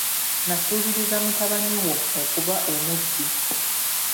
Nasuubiriza mutabani wo okuba omubbi.